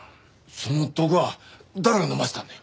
その毒は誰が飲ませたんだよ？